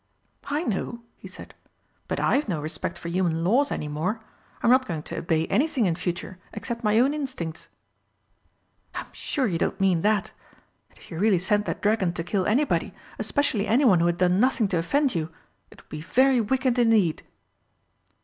"I know," he said; "but I've no respect for human laws any more. I'm not going to obey anything in future, except my own instincts." "I'm sure you don't mean that. And if you really sent that dragon to kill anybody especially anyone who had done nothing to offend you it would be very wicked indeed."